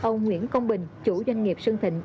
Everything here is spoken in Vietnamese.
âu nguyễn công bình chủ doanh nghiệp sơn thịnh